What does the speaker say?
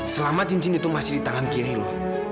selama cincin itu masih di tangan kiri lo